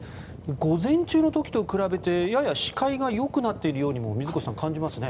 午前中の時と比べて、やや視界が良くなっているようにも水越さん、感じますね。